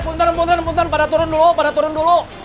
pungtan pungtan pungtan pada turun dulu pada turun dulu